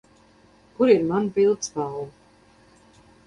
Kur ir mana pildspalva?